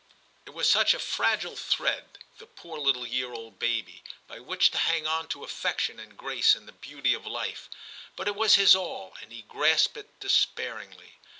It was such a fragile thread, the poor little year old baby, by which to hang on to affection and grace and the beauty of life, but it was his all, and he grasped it despairingly.